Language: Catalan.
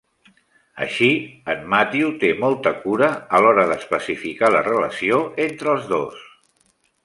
Així, en Matthew té molta cura a l'hora d'especificar la relació entre els dos.